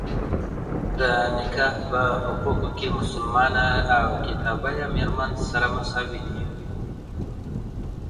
د نکاح په حقوقو کي مسلمانه او کتابيه ميرمن سره مساوي دي.